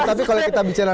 tapi kalau kita bicara